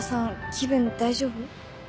気分大丈夫？